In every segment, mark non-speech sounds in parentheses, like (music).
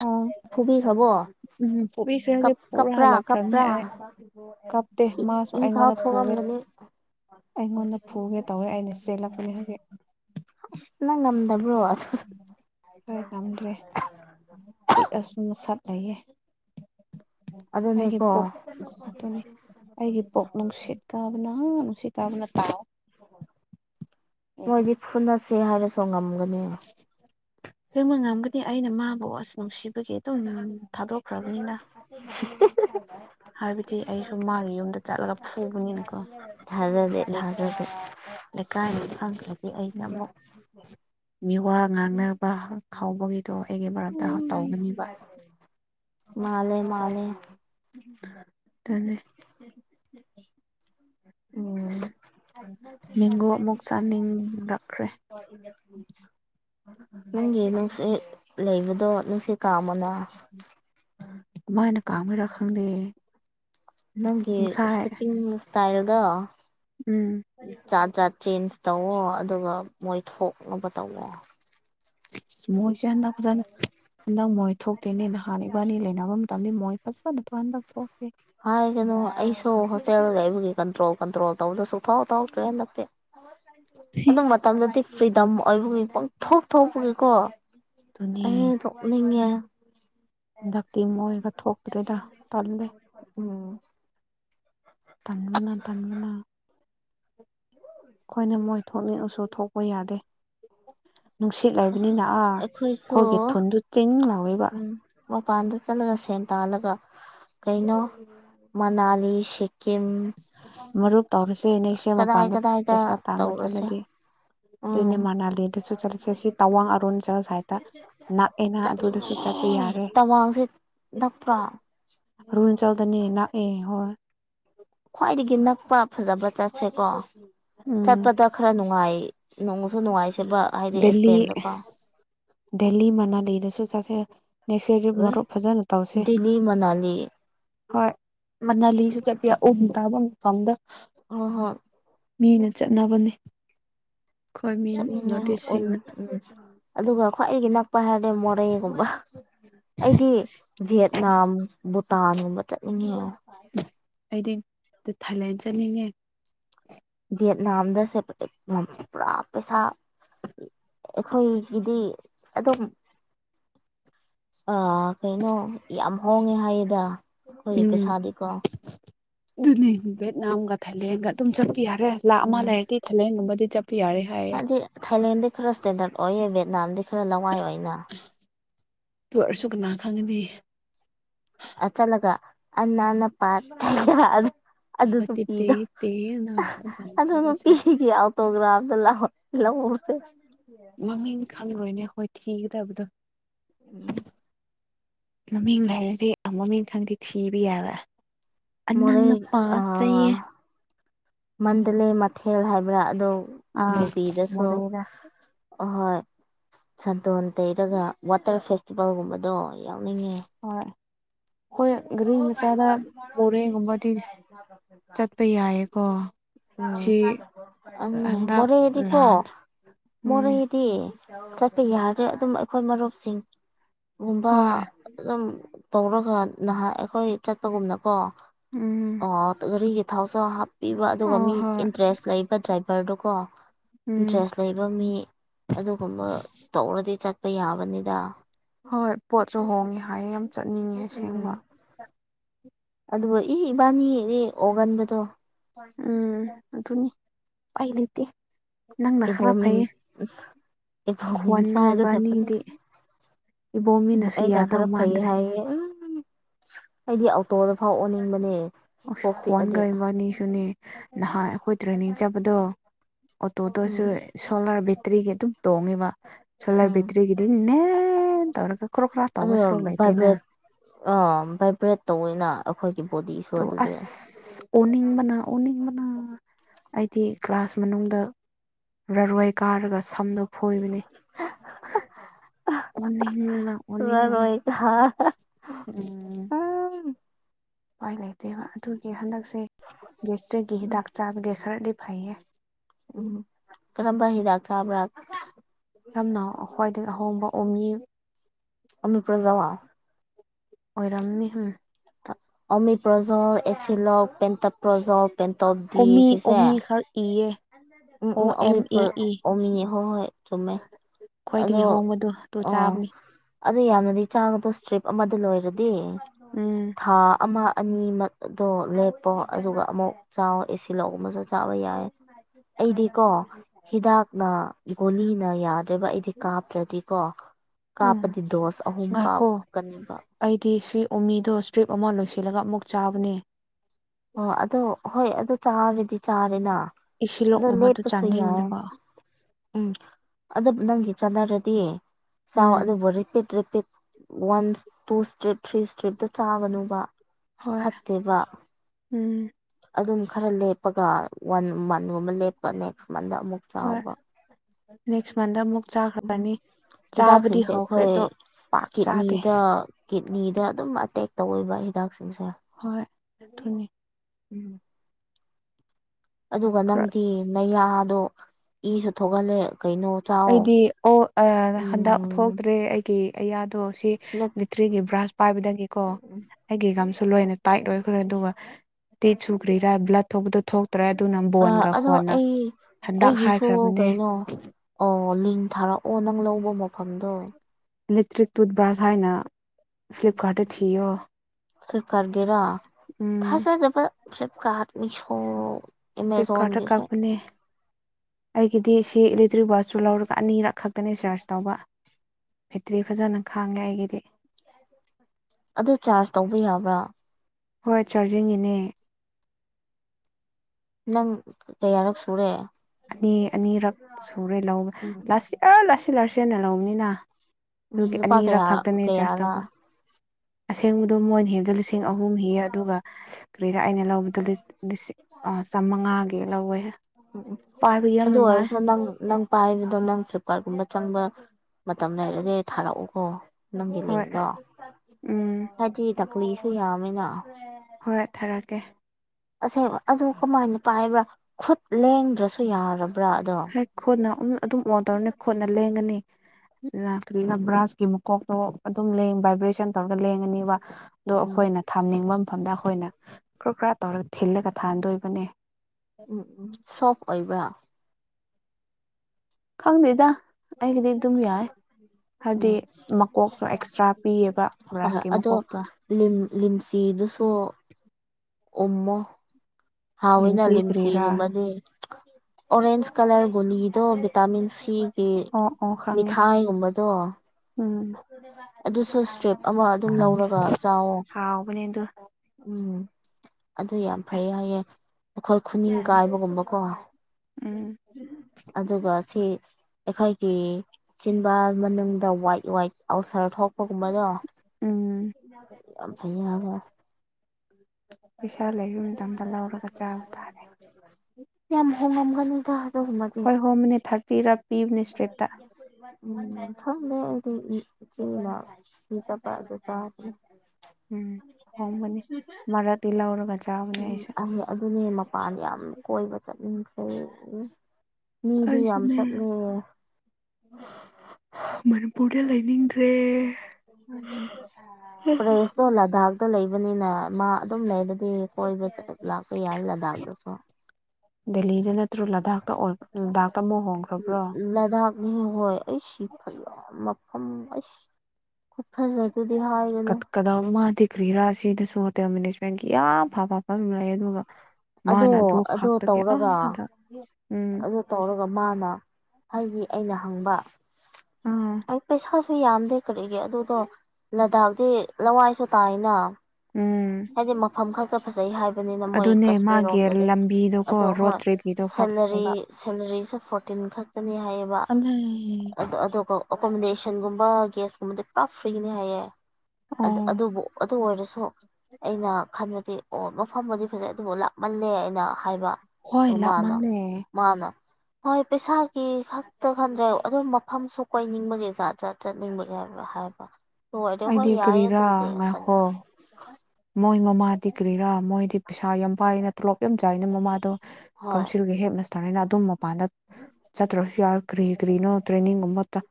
ꯑꯣ ꯐꯨꯕꯤꯈ꯭ꯔꯕꯣ ꯎꯝ ꯄꯣꯕꯤꯈ꯭ꯔꯦꯁꯦ ꯄꯨꯔ ꯀꯞꯄ꯭ꯔꯥ ꯍꯜꯂꯛꯈ꯭ꯔꯕꯅꯤ ꯀꯞꯄ꯭ꯔꯥ ꯑꯩ ꯀꯞꯇꯦ ꯃꯥꯁꯨ ꯏ ꯐꯥꯎ ꯑꯩꯉꯣꯟꯗ ꯐꯨꯋꯦ ꯊꯣꯛꯑꯝꯒꯅꯤ ꯑꯩꯉꯣꯟꯗ ꯐꯨꯒꯦ ꯇꯧꯋꯦ ꯑꯩꯅ ꯆꯦꯜꯂꯛꯄꯅꯦ ꯍꯧꯖꯤꯛ ꯍꯁ ꯅꯪ ꯉꯝꯗꯕ꯭ꯔꯣ ꯍꯣꯏ ꯉꯝꯗ꯭ꯔꯦ ꯄꯤꯛꯑꯁꯨ ꯃꯁꯛ ꯂꯩꯌꯦ ꯑꯩꯒꯤ ꯑꯗꯨꯅꯦꯀꯣ ꯄꯨꯛ ꯑꯇꯨꯅꯦ ꯑꯩꯒꯤ ꯄꯨꯛ ꯅꯨꯡꯁꯤꯠ ꯀꯥꯕꯅ ꯅꯨꯡꯁꯤꯠ ꯀꯥꯕꯅ ꯅꯇꯥꯎ ꯃꯣꯏꯗꯤ ꯐꯨꯅꯁꯦ ꯍꯥꯏꯔꯁꯨ ꯉꯝ ꯆꯞ ꯃꯥꯅꯔꯝꯒꯅꯤ ꯑꯩꯅ ꯃꯥꯕꯨ ꯑꯁ ꯅꯨꯡꯁꯤꯕꯒꯤ ꯑꯗꯨꯝ ꯊꯥꯗꯣꯛꯈ꯭ꯔꯕꯅꯤꯅ (unintelligible) ꯍꯥꯏꯕꯗꯤ ꯑꯩꯁꯨ ꯃꯥꯒꯤ ꯌꯨꯝꯗ ꯆꯠꯂꯒ ꯐꯨꯕꯅꯤꯅꯀꯣ ꯊꯥꯖꯗꯦ ꯂꯤꯛ ꯊꯥꯖꯗꯦ ꯂꯩꯀꯥꯏꯅ ꯐꯪꯈ꯭ꯔꯗꯤ ꯑꯩꯁꯦ ꯑꯃꯨꯛ ꯃꯤꯋꯥ ꯉꯥꯡꯅꯕ ꯍꯧꯕꯒꯤ ꯗꯣ ꯑꯩꯒꯤ ꯃꯔꯛꯇ ꯇꯧꯒꯅꯦꯕ ꯃꯥꯜꯂꯦ ꯃꯥꯜꯂꯦ ꯇꯜꯅꯦ ꯍ (inaudible) ꯃꯦꯡꯒꯣ ꯑꯃꯨꯛ ꯆꯥꯅꯤꯡꯔꯛꯈ꯭ꯔꯦ (unintelligible) ꯅꯪꯒꯤ ꯅꯨꯡꯁꯤꯠ ꯂꯩꯕꯗꯣ ꯅꯨꯡꯁꯤꯠ ꯀꯥꯃꯣꯅ ꯀꯃꯥꯢꯅ ꯀꯥꯝꯒꯗ꯭ꯔ ꯈꯪꯗꯦ ꯅꯪꯒꯤ ꯉꯁꯥꯏ ꯁ꯭ꯂꯤꯄꯤꯡ ꯁꯇꯥꯢꯜꯗꯣ ꯎꯝ ꯆꯥ ꯆꯥꯠ ꯆꯦꯟꯖ ꯇꯧꯋꯣ ꯑꯗꯨꯒ ꯃꯣꯏ ꯊꯣꯛꯅꯕ ꯇꯧꯋꯣ ꯃꯣꯏꯁ ꯍꯟꯗꯛ ꯐꯖꯅ ꯍꯟꯗꯪ ꯃꯣꯏ ꯊꯣꯛꯇꯦꯅꯦ ꯅꯍꯥꯟ ꯏꯕꯥꯅꯤ ꯂꯩꯅꯕ ꯃꯇꯝꯗꯤ ꯃꯣꯏ (unintelligible) ꯊꯣꯛꯇꯦ ꯍꯥꯏꯒꯅꯣ ꯑꯩꯁꯨ ꯍꯣꯁꯇꯦꯜꯗ ꯂꯩꯕꯒꯤ ꯀꯟꯇ꯭ꯔꯣꯜ ꯀꯟꯇ꯭ꯔꯣꯜ ꯇꯧꯕꯗ ꯁꯨꯡꯊꯣꯛ ꯊꯣꯛꯇ꯭ꯔꯦ ꯍꯟꯗꯛꯇꯤ ꯑꯗꯨ ꯃꯇꯝꯗꯗꯤ ꯐ꯭ꯔꯤꯗꯝ ꯑꯣꯏꯕꯒꯤ ꯄꯪꯊꯣꯛ ꯊꯣꯛꯄꯒꯤꯀꯣ ꯑꯗꯨꯅꯤ ꯑꯍꯤꯡ ꯊꯣꯛꯅꯤꯡꯉꯦ ꯍꯟꯗꯛꯇꯤ ꯃꯣꯏꯒ ꯊꯣꯛꯇ꯭ꯔꯦꯗ ꯇꯜꯂꯦ ꯎꯝ ꯇꯟꯕꯅꯥ ꯇꯟꯕꯅꯥ ꯈꯣꯏꯅ ꯃꯣꯏ ꯊꯣꯛꯅꯤꯡꯉꯁꯨ ꯊꯣꯛꯄ ꯌꯥꯗꯦ ꯅꯨꯡꯁꯤꯠ ꯑꯁ ꯂꯩꯕꯅꯤꯅ ꯑꯥ ꯑꯩꯈꯣꯏꯁꯨ ꯑꯩꯈꯣꯏꯒꯤ ꯊꯨꯟꯗꯨ ꯆꯤꯡ ꯂꯥꯎꯋꯦꯕ ꯎꯝ ꯃꯄꯥꯟꯗ ꯆꯠꯂꯒ ꯁꯦꯟ ꯇꯥꯜꯂꯒ ꯀꯩꯅꯣ ꯃꯅꯥꯂꯤ ꯁꯤꯠ ꯀꯤꯝ ꯃꯔꯨꯞ ꯇꯧꯔꯁꯦ ꯅꯩꯁꯦ ꯃꯄꯥꯟꯗ ꯄꯩꯁꯥ ꯇꯥꯟꯕ ꯇꯧꯔꯁꯦ ꯆꯠꯂꯒꯦ ꯎꯝ ꯑꯗꯨꯅꯦ ꯃꯅꯥꯂꯤꯗꯁꯨ ꯆꯠꯂꯁꯦ ꯁꯤ ꯇꯋꯥꯡ ꯑꯔꯣꯟꯖꯔꯁ ꯁꯥꯏꯗ ꯆꯠꯅꯤꯡꯉꯦ ꯇꯋꯥꯡꯁꯦ ꯅꯛꯄ꯭ꯔꯥ ꯑꯔꯨꯟꯆꯜꯗꯅꯦ ꯅꯛꯑꯦ ꯍꯣꯏ ꯈ꯭ꯋꯥꯏꯗꯒꯤ ꯅꯛꯄ ꯐꯖꯕ ꯆꯠꯁꯦꯀꯣ ꯎꯝ ꯆꯠꯄꯗ ꯈꯔ ꯅꯨꯡꯉꯥꯏ ꯅꯨꯡ ꯗꯨ ꯅꯨꯡꯉꯥꯏꯖꯕ ꯍꯥꯏꯗꯤ ꯗꯦꯜꯂꯤ ꯑꯦꯁꯄꯦꯟꯗ ꯀꯣ ꯗꯦꯜꯂꯤ ꯃꯅꯥꯂꯤꯗꯁꯨ ꯆꯠꯁꯦ ꯅꯦꯛꯁ ꯌꯔ ꯃꯔꯨꯞ ꯐꯖꯟꯅ ꯇꯧꯁꯦ ꯗꯦꯜꯂꯤ (inaudible) ꯍꯣꯏ ꯃꯅꯂꯤꯁꯨ ꯆꯠꯄ ꯌꯥꯢ ꯎꯟ ꯇꯥꯕ ꯃꯐꯝꯗ ꯍꯣꯏ ꯍꯣꯏ ꯃꯤꯅ ꯆꯠꯅꯕꯅꯤ ꯈꯣꯏ ꯃꯤ ꯆꯠꯅꯤꯡꯉꯦ ꯅꯣꯔꯠ ꯎꯟ ꯏꯁꯁꯤꯡꯅ ꯎꯝ ꯑꯗꯨꯒ ꯈ꯭ꯋꯥꯏꯗꯒꯤ ꯅꯛꯄ ꯍꯥꯏꯔꯗꯤ ꯃꯣꯔꯦꯒꯨꯝꯕ ꯑꯩꯗꯤ ꯚꯦꯠ ꯅꯥꯝ ꯚꯨꯇꯥꯟꯒꯨꯝꯕ ꯆꯠꯅꯤꯡꯉꯤ ꯑꯩꯗꯤ ꯊꯥꯏꯂꯦꯟ ꯆꯠꯅꯤꯡꯉꯦ ꯚꯌꯦꯠꯅꯥꯝꯗ ꯁꯦ ꯃꯝ ꯄꯨꯔꯥ ꯄꯩꯁꯥ ꯑꯈꯣꯏꯒꯤꯗꯤ ꯑꯗꯨꯝ ꯑ ꯀꯩꯅꯣ ꯌꯥꯝ ꯍꯣꯡꯉꯦ ꯍꯥꯏꯌꯦꯗ ꯑꯈꯣꯏ ꯎꯝ ꯄꯩꯁꯥꯗꯤ ꯀꯣ ꯑꯗꯨꯅꯦ ꯚꯦꯠꯅꯥꯝꯒ ꯊꯥꯏꯂꯦꯟꯒ ꯑꯗꯨꯝ ꯆꯠꯄ ꯌꯥꯔꯦ ꯂꯥꯛ ꯑꯃ ꯎꯝ ꯂꯩꯔꯗꯤ ꯊꯥꯏꯂꯦꯟꯒꯨꯝꯕꯗꯤ ꯆꯠꯄ ꯌꯥꯔꯦ ꯍꯥꯏꯌꯦ ꯍꯥꯏꯗꯤ ꯊꯥꯏꯂꯦꯟꯗꯤ ꯈꯔ ꯁ꯭ꯇꯦꯟꯗꯔꯠ ꯑꯣꯏꯌꯦ ꯚꯦꯠꯅꯥꯝꯗꯤ ꯈꯔ ꯂꯋꯥꯏ ꯑꯣꯏꯅ ꯗꯨ ꯑꯣꯏꯔꯁꯨ ꯀꯅꯥ ꯈꯪꯒꯅꯤ ꯑꯥ ꯆꯠꯂꯒ ꯑꯅꯥꯟꯅ ꯄꯥꯔꯠꯇꯦꯌꯥ ꯑꯗꯨ ꯃꯇꯤꯇꯦ ꯅꯨꯄꯤꯗꯣ ꯇꯦꯅ ꯑꯗꯨꯝ ꯑꯗꯨ ꯆꯠꯂꯁꯦ ꯅꯨꯄꯤꯒꯤ ꯑꯣꯇꯣꯒ꯭ꯔꯥꯐꯇ ꯂꯧ ꯃꯃꯤꯡ ꯈꯪꯔꯣꯏꯅꯦ ꯑꯩꯈꯣꯏ ꯊꯤꯒꯗꯕꯗꯣ (unintelligible) ꯃꯃꯤꯡ ꯂꯩꯔꯗꯤ ꯃꯃꯤꯡ ꯈꯪꯗꯤ ꯊꯤꯕ ꯌꯥꯕ ꯃꯣꯔꯦ ꯑꯟꯅꯟꯅ ꯄꯥꯠꯆꯩꯌꯦ ꯃꯟꯗꯂꯦ ꯃꯊꯦꯜ ꯍꯥꯏꯕ꯭ꯔꯥ ꯑꯗꯨ ꯑꯥ ꯃꯨꯕꯤꯗꯁꯨ ꯃꯣꯔꯦꯗ ꯑꯍꯣꯏ ꯁꯟꯇꯣꯟ ꯇꯩꯔꯒ ꯋꯥꯇꯔ ꯐꯦꯁꯇꯤꯚꯦꯜꯒꯨꯝꯕꯗꯣ ꯌꯥꯎꯅꯤꯡꯉꯦ ꯍꯣꯏ ꯍꯣꯏ ꯒꯥꯔꯤ ꯃꯆꯥꯗ ꯃꯣꯔꯦꯒꯨꯝꯕꯗꯤ ꯆꯠꯄ ꯌꯥꯏꯌꯦꯀꯣ ꯎꯝ ꯁꯤ ꯑꯃꯦ ꯍꯟꯗꯛ ꯃꯣꯔꯦꯗꯤꯀꯣ ꯂꯥꯟ ꯎꯝ ꯃꯣꯔꯦꯗꯤ ꯆꯠꯄ ꯌꯥꯔꯦ ꯑꯗꯨꯝ ꯑꯩꯈꯣꯏ ꯃꯔꯨꯞꯁꯤꯡ ꯒꯨꯝꯕ ꯍꯣꯏ ꯑꯗꯨꯝ ꯇꯧꯔꯒ ꯅꯍꯥꯟ ꯑꯩꯈꯣꯏ ꯆꯠꯄꯒꯨꯝꯅꯀꯣ ꯎꯝ ꯑꯣ ꯒꯥꯔꯤꯒꯤ ꯊꯥꯎꯁꯨ ꯍꯥꯞꯄꯤꯕ ꯑꯗꯨꯒ ꯑꯣ ꯃꯤ ꯍꯣꯏ ꯏꯟꯇ꯭ꯔꯦꯁ ꯂꯩꯕ ꯗ꯭ꯔꯥꯏ ꯚꯔꯗꯨꯀꯣ ꯎꯝ ꯏꯟꯇ꯭ꯔꯦꯁ ꯂꯩꯕ ꯃꯤ ꯑꯗꯨꯒꯨꯝꯕ ꯇꯧꯔꯗꯤ ꯆꯠ ꯄ ꯌꯥꯕꯅꯤꯗ ꯍꯣꯏ ꯄꯣꯠꯁꯨ ꯍꯣꯡꯉꯦ ꯍꯥꯏꯌꯦ ꯌꯥꯝ ꯆꯠꯅꯤꯡꯉꯦ ꯑꯁꯦꯡꯕ ꯑꯗꯨꯕꯨ ꯏ ꯏꯕꯥꯅꯤ ꯔꯦ ꯑꯣꯒꯟꯕꯗꯣ ꯎꯝ ꯑꯗꯨꯅꯤ ꯄꯥꯏ ꯂꯩꯇꯦ ꯅꯪꯅ ꯈꯔ ꯑꯦꯕꯣꯃꯤꯟ ꯐꯩꯌꯦ ꯑꯦꯕꯣꯃꯤꯟ ꯈ꯭ꯋꯥꯟ ꯒ ꯏꯕꯥꯟꯅꯤꯗꯤ ꯥꯑꯩꯅ ꯈꯔ ꯐꯩꯌꯦ ꯍꯥꯏꯌꯦ ꯑꯝ ꯑꯩꯗꯤ ꯑꯧꯇꯣꯗ ꯍꯣꯟꯒ ꯏꯕꯅꯤꯁꯨꯅꯦ ꯅꯍꯥꯟ ꯑꯩꯈꯣꯏ ꯇ꯭ꯔꯦꯅꯤꯡ ꯆꯠꯕꯗꯣ ꯑꯣꯇꯣꯗꯣꯁꯨ ꯎꯝ ꯁꯣꯂꯔ ꯕꯦꯇ꯭ꯔꯤꯒꯤ ꯑꯗꯨꯝ ꯇꯣꯡꯉꯦꯕ ꯁꯣꯂꯔ ꯎꯝ ꯕꯦꯇ꯭ꯔꯤꯒꯤꯗꯤ ꯅꯦꯟ ꯇꯧꯔꯒ ꯈꯔꯣ ꯈꯔꯥ ꯑꯗꯨ ꯇꯧꯕ ꯁꯣꯔꯣꯛ ꯂꯩꯇꯦꯅ ꯚꯥꯏꯕ꯭ꯔꯦꯠ ꯑ ꯚꯥꯏꯕ꯭ꯔꯦꯠ ꯇꯧꯋꯦꯅ ꯑꯩꯈꯣꯏꯒꯤ ꯕꯣꯗꯤꯁꯨ ꯇꯣ ꯑꯗꯨꯗꯤ ꯑꯁ ꯑꯣꯅꯤꯡꯕꯅ ꯑꯣꯅꯤꯡꯕꯅ ꯑꯩꯗꯤ ꯀ꯭ꯂꯥꯁ ꯃꯅꯨꯡꯗ ꯔꯔꯣꯏ ꯀꯥꯔꯒ ꯁꯝꯗꯨ ꯐꯣꯏꯕꯅꯦ ꯑꯣꯅꯤꯡꯕꯅ ꯑꯣꯅꯤꯡꯕꯅ ꯁꯨꯔꯔꯣꯏꯗ ꯎꯝ ꯎꯝ ꯎꯄꯥꯏ ꯂꯩꯇꯦꯕ ꯑꯗꯨꯒꯤ ꯍꯟꯗꯛꯁꯦ ꯒꯦꯁꯇ꯭ꯔꯤꯛꯒꯤ ꯍꯤꯗꯥꯛ ꯆꯥꯕꯗꯩ ꯈꯔꯗꯤ ꯐꯩꯌꯦ ꯎꯝ ꯀꯔꯝꯕ ꯍꯤꯗꯥꯛ ꯆꯥꯕ꯭ꯔꯥ ꯌꯥꯝꯅ ꯑꯈ꯭ꯋꯥꯏꯗꯩ ꯑꯍꯣꯡꯕ ꯑꯣꯃꯤ (unintelligible) ꯑꯣꯏꯔꯝꯅꯤ ꯍꯨꯝ ꯑꯣꯃꯤ ꯄ꯭ꯔꯣꯖꯣꯜ ꯑꯦꯁꯤꯂꯣꯞ ꯄꯦꯟꯇꯞ ꯄ꯭ꯔꯣꯖꯣꯜ ꯄꯦꯟ ꯇꯣꯞꯗꯤ ꯑꯣꯃꯤ ꯁꯤꯁꯦ ꯑꯣꯃꯤ ꯈꯛ ꯏꯌꯦ ꯎꯝ ꯑꯣ ꯎꯝ ꯑꯦꯝ ꯑꯣꯃꯤ ꯏ ꯄꯔ ꯏ ꯑꯣꯃꯤ ꯍꯣ ꯍꯣꯏ ꯆꯨꯝꯃꯦ ꯑꯗꯣ ꯈ꯭ꯋꯥꯏꯗꯒꯤ ꯍꯣꯡꯕꯗꯣ ꯑꯗꯨ ꯑꯥ ꯆꯥꯕꯅꯤ ꯑꯗꯨ ꯌꯥꯝꯅꯗꯤ ꯆꯥꯉꯗ ꯏꯁꯇ꯭ꯔꯤꯞ ꯑꯃꯗꯨ ꯂꯣꯏꯔꯗꯤ ꯎꯝ ꯊꯥ ꯑꯃ ꯑꯅꯤꯃꯛꯗꯣ ꯂꯦꯞꯄꯣ ꯑꯗꯨꯒ ꯑꯃꯨꯛ ꯆꯥꯑꯣ ꯑꯦꯁꯤꯂꯣ ꯒꯨꯝꯕꯁꯨ ꯆꯥꯕ ꯌꯥꯏ ꯑꯩꯗꯤꯀꯣ ꯍꯤꯗꯥꯛꯅ ꯒꯣꯂꯤꯅ ꯌꯥꯗ꯭ꯔꯦꯕ ꯑꯩꯗꯤ ꯀꯥꯞꯇ꯭ꯔꯗꯤ ꯀꯣ ꯎꯝ ꯀꯥꯞꯄꯗꯤ ꯗꯣꯁ ꯑꯍꯨꯝ ꯀꯥꯞꯀꯅꯤꯕ ꯑꯣꯃꯤꯗꯨ ꯏꯁꯇ꯭ꯔꯤꯞ ꯑꯃ ꯂꯣꯏꯁꯤꯜꯂꯒ ꯑꯃꯨꯛ ꯆꯥꯕꯅꯦ ꯑꯣ ꯑꯗꯣ ꯍꯣꯏ ꯑꯗꯨ ꯆꯥꯔꯗꯤ ꯆꯥꯔꯦꯅ ꯑꯗꯣ ꯏꯁꯤꯂꯣꯛꯒꯨꯝꯕꯗꯨ ꯂꯦꯞꯄꯁꯨ ꯌꯥꯌꯦ ꯆꯥꯅꯤꯡꯗꯕ ꯎꯝ ꯑꯗꯨꯞ ꯅꯪꯒꯤ ꯆꯅꯔ ꯗꯤ ꯆꯥꯎ ꯎꯝ ꯑꯗꯨꯕꯨ repeat trip one two strip three ꯏꯁꯇ꯭ꯔꯤꯞꯇ ꯆꯥꯒꯅꯨꯕ ꯍꯣꯏ ꯐꯠꯇꯦꯕ ꯎꯝ ꯑꯗꯨꯝ ꯈꯔ ꯂꯦꯞꯄꯒ ꯋꯥꯟ ꯃꯟꯒꯨꯝꯕ ꯂꯦꯞꯄ ꯅꯦꯛꯁ ꯃꯟꯗ ꯑꯃꯨꯛ ꯍꯣꯏ ꯆꯥꯎꯕ ꯅꯦꯛꯁ ꯃꯟꯗ ꯑꯃꯨꯛ ꯎꯝ ꯆꯥꯈ꯭ꯔꯅꯤ ꯆꯥꯕꯗꯤ ꯍꯤꯗꯥꯛꯁꯤꯡꯁꯦ ꯍꯧꯈ꯭ꯔꯦ ꯑꯩꯈꯣꯏ ꯑꯗꯣ ꯄꯥꯛ ꯆꯥꯗꯦ ꯀꯤꯠꯅꯤꯗ ꯀꯤꯠꯅꯤꯗ ꯑꯗꯨꯝ ꯑꯇꯦꯛ ꯇꯧꯋꯦꯕ ꯍꯤꯗꯥꯛꯁ ꯍꯣꯏ ꯑꯗꯨꯅꯤ ꯎꯝ ꯑꯗꯨꯒ ꯈꯔ ꯅꯪꯗꯤ ꯃꯩꯌꯥꯗꯣ ꯏꯁꯨ ꯊꯣꯛꯍꯜꯂꯦ ꯀꯩꯅꯣ ꯆꯥꯎ ꯑꯩꯗꯤ ꯑꯣ ꯑꯥ ꯍꯟꯗꯛ ꯎꯝ ꯊꯣꯛꯇ꯭ꯔꯦ ꯑꯩꯒꯤ ꯑꯌꯥꯗꯣ ꯁꯤ ꯂꯤꯇ꯭ꯔꯤꯒꯤ ꯕ꯭ꯔꯥꯟꯁ ꯄꯥꯏꯕꯗꯒꯤꯀꯣ ꯑꯩꯒꯤ ꯒꯝꯁꯨ ꯂꯣꯏꯅ ꯇꯥꯏꯠ ꯑꯣꯏꯈ꯭ꯔꯦ ꯑꯗꯨꯒ ꯇꯤꯠꯁꯨ ꯀ꯭ꯔꯤꯔꯥ ꯕ꯭ꯂꯠ ꯊꯣꯛꯄꯗꯣ ꯊꯣꯛ ꯇ꯭ꯔꯦ ꯑꯗꯨꯅ ꯑ ꯕꯣꯟꯒ ꯑꯗꯣ ꯍꯣꯟꯅ ꯑꯩ ꯍꯟꯗꯛ ꯑꯩꯒꯤꯁꯨ ꯍꯥꯏꯈ꯭ꯔꯕꯅꯦ ꯀꯩꯅꯣ ꯑꯣ ꯂꯤꯡ ꯊꯥꯔꯛꯑꯣ ꯅꯪ ꯂꯧꯕ ꯃꯐꯝꯗꯣ ꯂꯤꯇꯔꯤꯠ ꯇꯨꯠꯕ꯭ꯔꯁ ꯍꯥꯏꯅ ꯐ꯭ꯂꯤꯞꯀꯔꯠꯇ ꯊꯤꯌꯣ ꯐ꯭ꯂꯤꯞꯀꯔꯒꯤꯔ ꯎꯝ ꯊꯥꯖꯗꯕ ꯐ꯭ꯂꯤꯞꯀꯔꯠ ꯃꯤꯁꯣ ꯐ꯭ꯂꯤꯞꯀꯥꯔꯠꯇ ꯑꯦꯃꯦꯖꯣꯟꯒꯤꯁꯦ ꯀꯛꯄꯅꯦ ꯑꯩꯒꯤꯗꯤ ꯁꯤ ꯏꯂꯦꯛꯇ꯭ꯔꯤꯛ ꯕꯥꯁꯁꯨ ꯂꯧꯔꯒ ꯑꯅꯤꯔꯛ ꯈꯛꯇꯅꯦ ꯆꯥꯔꯖ ꯇꯧꯕ ꯐꯤꯠꯇ꯭ꯔꯤ ꯐꯖꯅ ꯈꯥꯡꯉꯦ ꯑꯩꯒꯤꯗꯤ ꯑꯗꯨ ꯆꯥꯔꯖ ꯇꯧꯕ ꯌꯥꯕ꯭ꯔꯥ ꯍꯣꯏ ꯆꯥꯔꯖꯤꯡꯒꯤꯅꯦ ꯅꯪ ꯀꯌꯥꯔꯛ ꯁꯨꯔꯦ ꯑꯅꯤ ꯑꯅꯤꯔꯛ ꯁꯨꯔꯦ ꯂꯧꯕ ꯎꯝ ꯂꯥꯁ ꯑꯥ ꯂꯥꯁꯌꯔ ꯂꯥꯁꯌꯔ ꯂꯧꯕꯅꯤꯅ ꯎꯝ ꯑꯗꯨꯒꯤ ꯂꯨꯄꯥ ꯑꯅꯤꯔꯛ ꯀꯌꯥ ꯈꯛꯇꯅꯦ ꯆꯔꯁ ꯀꯌꯥꯔꯥ ꯇꯧꯕ ꯑꯁꯦꯡꯕꯗꯣ ꯃꯣꯏ ꯍꯦꯒꯗ ꯂꯤꯁꯤꯡ ꯑꯍꯨꯝ ꯍꯤꯌꯦ ꯑꯗꯨꯒ ꯀꯔꯤꯔ ꯑꯩꯅ ꯂꯧꯕꯗꯨ ꯂꯤꯁꯤꯡ ꯑꯥ ꯆꯥꯃꯉꯥꯒꯤ ꯀ ꯂꯧꯋꯦ ꯎ ꯎꯝ ꯄꯥꯏꯕ ꯌꯥꯝ ꯑꯗꯨ ꯅꯨꯡꯉꯥꯏ ꯑꯣꯏꯔꯁꯨ ꯅꯪ ꯅꯪ ꯄꯥꯏꯕꯗꯣ ꯅꯪ ꯐ꯭ꯂꯤꯞꯀꯥꯔꯠꯀꯨꯝꯕ ꯆꯪ ꯕꯥ ꯃꯇꯝ ꯂꯩꯔꯗꯤ ꯊꯥꯔꯛꯎꯀꯣ ꯅꯪꯒꯤ ꯍꯣꯏ ꯂꯤꯡꯗꯣ ꯎꯝ ꯍꯥꯏꯗꯤ ꯇꯛꯀꯂꯤꯁꯨ ꯌꯥꯝꯃꯦꯅ ꯍꯣꯏ ꯊꯔꯛꯀꯦ ꯑꯁꯦꯡꯕ ꯑꯗꯨ ꯀꯃꯥꯏꯅ ꯄꯥꯏꯕ꯭ꯔꯥ ꯈꯨꯠ ꯂꯦꯡꯗ꯭ꯔꯁꯨ ꯌꯥꯔꯕ꯭ꯔꯥ ꯑꯗꯣ ꯍꯦꯛ ꯈꯣꯠꯅ ꯑꯗꯨ ꯑꯗꯨꯝ ꯑꯣꯟꯗꯧꯔꯅꯤ ꯈꯣꯠꯅ ꯂꯦꯡꯉꯅꯤ ꯂꯥꯛꯇ꯭ꯅ ꯕ꯭ꯔꯥꯁꯀꯤ ꯃꯀꯣꯛꯇꯣ ꯑꯗꯨꯝ ꯂꯦꯡ ꯚꯥꯏꯕ꯭ꯔꯦꯁꯟ ꯇꯧꯔꯒ ꯂꯦꯡꯉꯅꯤꯕ ꯑꯗꯣ ꯎꯝ ꯑꯩꯈꯣꯏꯅ ꯊꯝꯅꯤꯡꯕ ꯃꯐꯝꯗ ꯑꯩꯈꯣꯏꯅ ꯀ꯭ꯔ ꯈ꯭ꯔ ꯇꯧꯔꯒ ꯊꯤꯜꯂꯒ ꯊꯥꯗꯣꯏꯕꯅꯦ ꯎꯝ ꯎꯝ ꯁꯣꯐ ꯑꯣꯏꯕ꯭ꯔꯥ ꯈꯪꯗꯦꯗ ꯑꯩꯒꯤꯗꯤ ꯑꯗꯨꯝ ꯌꯥꯏ ꯎꯝ ꯍꯥꯏꯗꯤ ꯃꯀꯣꯛꯁꯨ ꯑꯦꯛꯁꯇ꯭ꯔꯥ ꯄꯤꯌꯦꯕ ꯕ꯭ꯔꯥꯁꯀꯤ ꯗꯣ ꯂꯤꯝ ꯂꯤꯝꯆꯤꯗꯨꯁꯨ ꯎꯝꯃꯣ ꯍꯥꯎꯌꯦꯅ ꯂꯤꯝꯆꯤ ꯀꯔꯤꯔꯥ ꯂꯤꯝꯆꯤꯒꯨꯝꯕꯗꯤ ꯑꯣꯔꯦꯟꯖ ꯀꯂꯔ ꯒꯨꯂꯤꯗꯣ ꯚꯤꯇꯥꯃꯤꯟ ꯁꯤꯒꯤ ꯑꯣ ꯑꯣ ꯈꯪꯉꯦ ꯃꯤꯊꯥꯏꯒꯨꯝꯕꯗꯣ ꯎꯝ ꯑꯗꯨꯁꯨ ꯁ꯭ꯇ꯭ꯔꯤꯞ ꯑꯃ ꯑꯗꯨꯝ ꯈꯪꯉꯦ ꯂꯧꯔꯒ ꯆꯥꯎꯑꯣ ꯍꯥꯎꯕꯅꯦ ꯑꯗꯨ ꯎꯝ ꯑꯗꯨ ꯌꯥꯝ ꯐꯩ ꯍꯥꯏꯌꯦ ꯑꯈꯣꯏ ꯈꯨꯅꯤꯡ ꯎꯝ ꯀꯥꯏꯕꯒꯨꯝꯕꯀꯣ ꯎꯝ ꯑꯗꯨꯒ ꯁꯤ ꯑꯩꯈꯣꯏꯒꯤ ꯆꯤꯟꯕꯥꯜ ꯃꯅꯨꯡꯗ ꯋꯥꯏꯠ ꯋꯥꯏꯠ ꯑꯥꯜꯁꯔ ꯊꯣꯛ ꯄꯀꯨꯝꯕꯗꯣ ꯎꯝ ꯌꯥꯝ ꯐꯩꯌꯦ ꯍꯥꯢꯕ (inaudible) ꯂꯩꯕ ꯃꯇꯝꯗ ꯂꯧꯔꯒ ꯆꯥꯕ ꯇꯥꯔꯦ (unintelligible) ꯌꯥꯝ ꯍꯣꯡꯉꯝꯒꯅꯤꯗ ꯇꯨꯝꯃꯗꯤ ꯍꯣꯏ ꯍꯣꯡꯕꯅꯦ ꯊꯥꯔꯇꯤꯔ ꯄꯤꯕꯅꯦ ꯏꯁꯇ꯭ꯔꯤꯞꯇ (unintelligible) ꯈꯪꯗꯦ ꯑꯩꯗꯤ (unintelligible) ꯆꯥꯗ꯭ꯔꯤ ꯎꯝ ꯍꯣꯡꯕꯅꯤ ꯃꯔꯛꯇꯤ ꯂꯧꯔꯒ ꯆ ꯎꯝ ꯑꯩ ꯑꯗꯨꯅꯦ ꯃꯄꯥꯟ ꯌꯥꯝ ꯀꯣꯏꯕ ꯆꯠꯅꯤꯡꯈ꯭ꯔꯦ ꯃꯤꯗꯤ ꯌꯥꯝ ꯑꯩꯁꯨꯅꯦ ꯆꯠꯂꯦ ꯃꯅꯤꯄꯨꯔꯗ ꯂꯩꯅꯤꯡꯗ꯭ꯔꯦ ꯄ꯭ꯔꯦꯁꯇꯣ ꯂꯥꯗꯥꯛꯇ ꯂꯩꯕꯅꯤꯅ ꯃꯥ ꯑꯗꯨꯝ ꯂꯩꯔꯗꯤ ꯀꯣꯏꯕ ꯂꯥꯛꯄ ꯌꯥꯏ ꯂꯗꯥꯥꯛꯇꯁꯨ ꯗꯦꯂꯤꯗ ꯅꯠꯇ꯭ꯔꯣ ꯂꯥꯗꯥꯛꯇ ꯑꯣꯏ ꯂꯥꯗꯥꯛꯇ ꯑꯃꯨꯛ ꯍꯣꯡꯈ꯭ꯔꯕ꯭ꯔꯣ ꯂꯗꯥꯛꯅꯤ ꯍꯣꯏ ꯑꯩ ꯁꯤ ꯐ ꯃꯐꯝ ꯑꯩꯁ ꯈꯨꯐꯖ ꯀꯠꯀꯗ ꯃꯥꯗꯤ ꯀ꯭ꯔꯤꯔꯥ ꯁꯤꯗꯁꯨ ꯍꯣꯇꯦꯜ ꯃꯦꯅꯦꯖꯃꯦꯟꯒꯤ ꯌꯥꯝ ꯐ ꯐ ꯐꯝ ꯂꯩꯌꯦ ꯑꯗꯨꯒ ꯑꯗꯣ ꯃꯥꯅ ꯑꯗꯨ ꯑꯗꯣ ꯈꯥꯛꯇꯒꯤ ꯇꯧꯔꯒ ꯑꯗ ꯑꯗꯨ ꯇꯧꯔꯒ ꯃꯥꯅ ꯍꯥꯏꯗꯤ ꯑꯩꯅ ꯍꯪꯕ ꯑꯥ ꯑꯩ ꯄꯩꯁꯥ ꯁꯨ ꯌꯥꯝꯗꯦ ꯀꯔꯤꯒꯤ ꯑꯗꯨꯗꯣ ꯂꯗꯥꯛꯗꯤ ꯂꯋꯥꯏꯁꯨ ꯇꯥꯏꯅ ꯎꯝ ꯍꯥꯏꯗꯤ ꯃꯐꯝ ꯈꯛꯇ ꯐꯖꯩ ꯍꯥꯏꯕ ꯅ ꯃꯣꯏ ꯑꯗꯨꯅꯦ ꯀꯥꯁꯃꯤꯔ ꯃꯥꯒꯤ ꯔꯣꯝꯗꯗꯤ ꯂꯝꯕꯤꯗꯣꯀꯣ ꯑꯗꯣ ꯔꯣꯠ ꯍꯣꯏ ꯇ꯭ꯔꯤꯞꯀꯤꯗꯣ ꯁꯦꯂꯔꯤ ꯈꯛꯅꯦꯕ ꯁꯦꯂꯔꯤꯁꯦ ꯐꯣꯔꯇꯤꯟ ꯎꯝ ꯐꯛꯇꯅꯤ ꯍꯥꯏꯌꯦꯕ ꯑꯗꯩ ꯑꯗꯨ ꯑꯗꯨꯒꯧ ꯑꯦꯀꯣꯃꯣꯗꯦꯁꯟꯒꯨꯝꯕ ꯒ꯭ꯌꯥꯁꯀꯨꯝꯕꯗꯤ ꯄꯨꯔꯥ ꯐ꯭ꯔꯤꯅꯦ ꯍꯥꯏꯌꯦ ꯑꯣ ꯑꯗꯨꯕꯨ ꯑꯗꯨ ꯑꯣꯏꯔꯁꯨ ꯑꯩꯅ ꯈꯟꯕꯗꯤ ꯑꯣ ꯃꯐꯝꯕꯨꯗꯤ ꯐꯖꯩ ꯑꯗꯨꯕꯨ ꯂꯥꯞꯃꯜꯂꯦ ꯑꯩꯅ ꯍꯥꯏꯕ ꯍꯣꯏ ꯑꯗꯨ ꯃꯥꯅ ꯂꯥꯞꯃꯜꯂꯦ ꯃꯥꯅ ꯍꯣꯏ ꯄꯩꯁꯥꯒꯤ ꯈꯛꯇ ꯈꯟꯗ꯭ꯔꯦ ꯑꯗꯨꯝ ꯃꯐꯝꯁꯨ ꯀꯣꯏꯅꯤꯡꯕꯒꯤ ꯖꯥꯠ ꯖꯥꯠ ꯆꯠꯅꯤꯡꯕꯅꯦ ꯍꯥꯏꯕ ꯍꯥꯏꯕ ꯍꯣꯏ ꯑꯗꯣ ꯑꯩꯗꯤ ꯌꯥꯏꯌꯦ ꯀꯔꯤꯔꯥ ꯑꯗꯨꯗꯤ ꯈꯟ ꯉꯥꯏꯈꯣ ꯃꯣꯏ ꯃꯃꯥꯗꯤ ꯀꯔꯤꯔꯥ ꯃꯣꯏꯗꯤ ꯄꯩꯁꯥ ꯌꯥꯝ ꯄꯥꯏꯅ ꯇ꯭ꯔꯣꯞ ꯌꯥꯝ ꯆꯥꯏꯅ ꯃꯃꯥꯗꯣ ꯍꯣꯏ ꯀꯥꯎꯟꯁꯤꯜꯒꯤ ꯍꯦꯟ ꯃꯥꯁꯇꯔꯅꯦꯅ ꯑꯗꯨꯝ ꯃꯄꯥꯟꯗ ꯆꯠꯇ꯭ꯔꯁꯨ ꯌꯥ ꯀ꯭ꯔꯤ ꯀ꯭ꯔꯤꯅꯣ ꯇ꯭ꯔꯦꯅꯤꯡꯒꯨꯝꯕ ꯆꯠ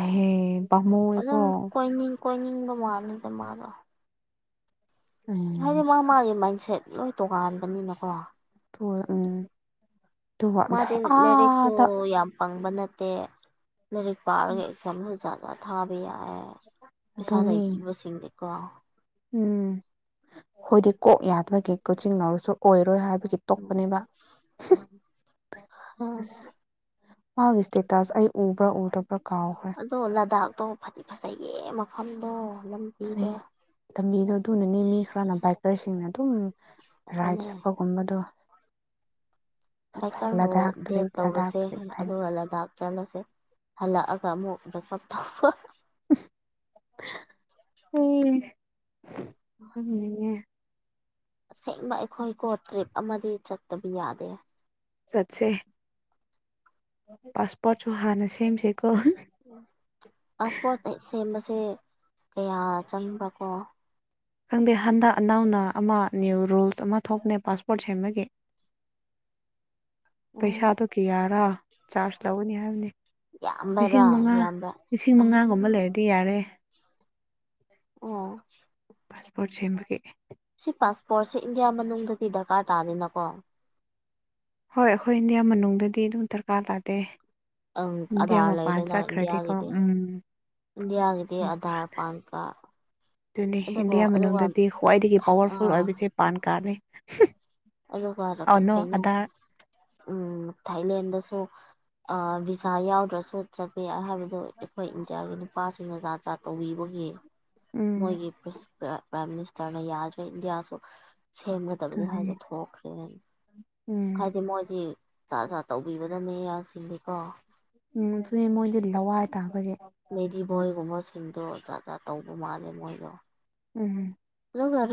ꯑꯍꯦ ꯄꯃꯨ ꯌꯦꯀꯣ ꯑꯗꯨꯝ ꯀꯣꯏꯅꯤꯡ ꯀꯣꯏꯅꯤꯡꯕ ꯃꯥꯟ ꯂꯤꯗ ꯃꯥꯗꯣ ꯍꯥꯏꯗꯤ ꯎꯝ ꯃꯥ ꯃꯥꯒꯤ ꯃꯥꯏꯟꯁꯦꯠ ꯂꯣꯏ ꯇꯣꯉꯥꯟꯕꯅꯤꯅꯀꯣ ꯍꯣꯢ ꯎꯝ ꯑꯗꯨꯒ ꯃꯥꯗꯤ ꯂꯩꯔꯤꯛꯁꯨ ꯑꯥꯗ ꯌꯥꯝ ꯄꯪꯕ ꯅꯠ ꯇꯦ ꯂꯥꯔꯤꯛ ꯄꯥꯔꯒ ꯑꯦꯛꯖꯥꯝ ꯅꯨꯡꯖꯥꯝ ꯊꯥꯕ ꯌꯥꯢꯌꯦ ꯄꯩꯁꯥ ꯑꯗꯨꯅꯤ ꯂꯩꯕꯁꯤꯡꯗꯤꯀꯣ ꯎꯝ ꯈꯣꯏꯗꯤ ꯀꯣꯛ ꯌꯥꯗꯕꯒꯤ ꯀꯣꯆꯤꯡ ꯂꯧꯔꯁꯨ ꯑꯣꯏꯔꯣꯏ ꯍꯥꯏꯕ ꯗꯨꯒꯤ ꯎꯝ ꯇꯣꯛꯄꯅꯦꯗ ꯎꯝ ꯍ (unintelligible) ꯃꯥ ꯁ꯭ꯇꯦꯇꯁ ꯑꯩ ꯎꯕ꯭ꯔꯥ ꯎꯗ ꯑꯗꯣ ꯂꯗꯥꯛꯇꯣ ꯐꯗꯤ ꯐꯖꯩꯌꯦ ꯃꯐꯝꯗꯣ ꯑꯗꯨꯅꯤ ꯂꯝꯕꯤꯗꯣ ꯂꯝꯕꯤꯗꯣ ꯑꯗꯨꯅꯅꯤ ꯃꯤ ꯈꯔꯅ ꯕꯥꯏꯛꯀꯔꯁꯤꯡꯅ ꯑꯗꯨꯝ ꯔꯥꯏꯠ ꯑꯗꯨꯅꯦ ꯆꯠꯄꯒꯨꯝꯕꯗꯣ ꯕꯥꯏꯀꯔꯕꯨ ꯂꯗꯥꯛ ꯗꯦꯠ ꯇ꯭ꯔꯤꯞ ꯂꯗꯥꯛ ꯇꯧꯔꯁꯦ ꯇ꯭ꯔꯤꯞ ꯍꯥꯏꯅ ꯑꯗꯨꯒ ꯂꯗꯥꯛ ꯆꯠꯂꯁꯦ ꯍꯜꯂꯛꯑꯒ ꯑꯃꯨꯛ ꯕ꯭ꯔꯦꯛꯀꯞ ꯇꯧꯕ (unintelligible) ꯑꯁꯦꯡꯕ ꯑꯩꯈꯣꯏ ꯀꯣ ꯇ꯭ꯔꯤꯞ ꯑꯃꯗꯤ ꯆꯠꯇꯕ ꯌꯥꯗꯦ ꯆꯠꯁꯦ ꯄꯥꯁꯄꯣꯠꯁꯨ ꯍꯥꯥꯟꯅ ꯁꯦꯝꯁꯤ ꯄꯥꯁꯄꯣꯔꯠ ꯁꯦꯝꯕꯁꯦ ꯀꯌꯥ ꯆꯪꯕ꯭ꯔꯥ ꯀꯣ ꯈꯪꯗꯦ ꯍꯟꯗꯛ ꯑꯅꯥꯎꯅ ꯑꯃ ꯅ꯭ꯌꯨ ꯔꯨꯜꯁ ꯑꯃ ꯊꯣꯛꯅꯦ ꯄꯥꯁꯄꯣꯔꯠ ꯁꯦꯝꯕꯒꯤ (inaudible) ꯎꯝ ꯄꯩꯁꯥꯗꯣ ꯀꯤꯌꯥꯔꯥ ꯆꯥꯔꯖ ꯂꯧꯒꯅꯤ ꯍꯥꯏꯕꯅꯤ ꯂꯤꯁꯤꯡ ꯌꯥꯝꯕ꯭ꯔꯥ ꯃꯉꯥ ꯌꯥꯝꯕ꯭ꯔꯥ ꯂꯤꯁꯤꯡ ꯑꯩ ꯃꯉꯥꯒꯨꯝꯕ ꯂꯩꯔꯗꯤ ꯌꯥꯔꯦ ꯑꯣ ꯄꯥꯁꯄꯣꯔꯠ ꯁꯦꯝꯕꯒꯤ ꯁꯤ ꯄꯥꯁꯄꯣꯔꯠꯁꯦ ꯏꯟꯗꯤꯌꯥ ꯃꯅꯨꯡꯗꯗꯤ ꯗꯔꯀꯥꯔ ꯇꯥꯗꯦꯅꯀꯣ ꯍꯣꯏ ꯑꯩꯈꯣꯏ ꯏꯟꯗꯤꯌꯥ ꯃꯅꯨꯡꯗꯗꯤ ꯑꯗꯨꯝ ꯗꯔꯀꯥꯔ ꯇꯥꯗꯦ ꯑꯪ ꯏꯟꯗꯤꯌꯥ ꯑꯙꯥꯔ ꯃꯄꯥꯟ ꯂꯩꯔꯦꯅ ꯆꯠꯈ꯭ꯔꯗꯤꯀꯣ ꯏꯟꯗꯤꯌꯥꯒꯤꯗꯤ ꯎꯝ ꯏꯟꯗꯤꯌꯥꯒꯤꯗꯤ ꯑꯙꯔ ꯄꯥꯟ ꯀꯥꯠ ꯑꯗꯨꯅꯤ ꯏꯟꯗꯤꯌꯥ ꯃꯅꯨꯡꯗꯗꯤ ꯈ꯭ꯋꯥꯏꯗꯒꯤ ꯄꯋꯥꯔꯐꯨꯜ ꯑꯥ ꯑꯣꯏꯕꯁꯦ ꯄꯥꯟ ꯀꯥꯠꯅꯩ ꯑꯗꯨꯒ ꯀꯩꯅꯣ ꯎꯝ ꯊꯥꯏꯂꯦꯟꯗꯁꯨ ꯚꯤꯁꯥ ꯌꯥꯎꯗ꯭ꯔꯁꯨ ꯆꯠꯄ ꯌꯥꯏ ꯍꯥꯏꯕꯗꯨ ꯑꯩꯈꯣꯏ ꯏꯟꯗꯤꯌꯥꯒꯤꯅꯤ ꯅꯨꯄꯥꯁꯤꯡꯅ ꯖꯥꯠ ꯖꯥꯠ ꯇꯧꯕꯤꯕꯒꯤ ꯎꯝ ꯃꯣꯏꯒꯤ ꯄ꯭ꯔꯥꯏꯝ ꯃꯤꯅꯤꯁꯇꯔꯅ ꯌꯥꯗ꯭ꯔꯦ ꯏꯟꯗꯤꯌꯥꯁꯨ ꯁꯦꯝꯒꯗꯕꯅꯤ ꯑꯗꯨꯅꯦ ꯍꯥꯏꯅ ꯊꯣꯛꯈ꯭ꯔꯦ ꯎꯝ ꯍꯥꯏꯗꯤ ꯃꯣꯏꯗꯤ ꯖꯥꯠ ꯖꯥꯠ ꯇꯧꯕꯤꯒꯗꯅꯦ ꯃꯤꯌꯥꯁꯤꯡꯗꯤꯀꯣ ꯎꯝ ꯑꯗꯨꯅꯦ ꯃꯣꯏꯗꯤ ꯂꯋꯥꯏ ꯇꯥꯕꯒꯤ ꯂꯦꯗꯤ ꯕꯣꯏꯒꯨꯝꯕꯁꯤꯡꯗꯣ ꯖꯥꯠ ꯖꯥꯠ ꯇꯧꯕ ꯃꯥꯜꯂꯦ ꯃꯣꯏꯗꯣ ꯎꯝ ꯑꯗꯨꯒ